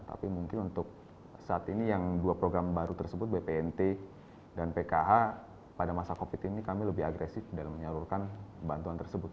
tapi mungkin untuk saat ini yang dua program baru tersebut bpnt dan pkh pada masa covid ini kami lebih agresif dalam menyalurkan bantuan tersebut